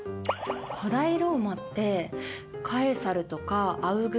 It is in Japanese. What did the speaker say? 古代ローマってカエサルとかアウグストゥスとか。